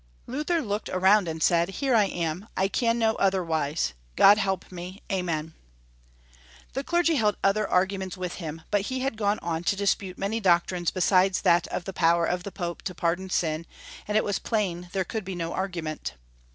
Luther looked around, and said, " Here I am. I can no other wise. God help me. Amen." The clergy held other arguments with him, but he had gone on to dispute many doctrines besides that of the power of the Pope to pardon sin, and it was plain there could be no agreement.